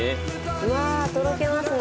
うわーとろけますね。